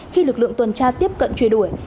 khi lực lượng tuần tra tiếp cận truy đuổi